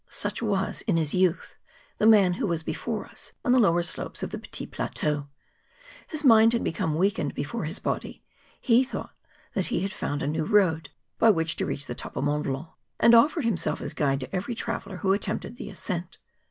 Such was, in his youth, the man who was before us on the lower slopes of the Petit Plateau. His mind had become weakened before his body; he thought that he had found a new road by which to reach the top of Mont Blanc, and offered himself as guide to every traveller who attempted tlie ascent.